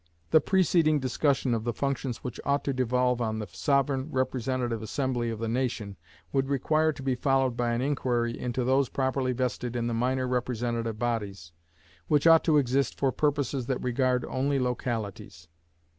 The preceding discussion of the functions which ought to devolve on the sovereign representative assembly of the nation would require to be followed by an inquiry into those properly vested in the minor representative bodies, which ought to exist for purposes that regard only localities.